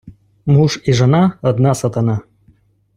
муж і жона – одна сатана